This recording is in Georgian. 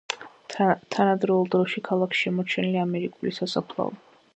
თანადროულ დროში ქალაქში შემორჩენილია ამერიკული სასაფლაო.